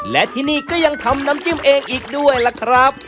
และที่นี่ก็ยังทำน้ำจิ้มเองอีกด้วยล่ะครับ